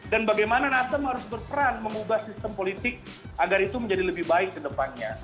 dan bagaimana nasdem harus berperan mengubah sistem politik agar itu menjadi lebih baik kedepannya